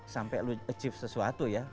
sampai lu achieve sesuatu ya